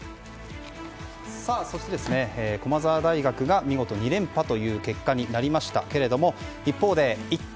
駒澤大学が見事２連覇という結果になりましたが一方でイット！